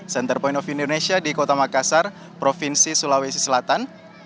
center point of indonesia di kota makassar provinsi sulawesi selatan